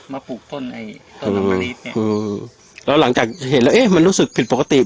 ปลูกต้นไอ้ต้นน้ำมะนิดเนี่ยอืมแล้วหลังจากเห็นแล้วเอ๊ะมันรู้สึกผิดปกติ